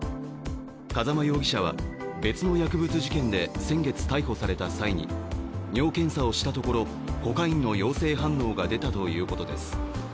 風間容疑者は別の薬物事件で先月逮捕された際に尿検査をしたところコカインの陽性反応が出たということです。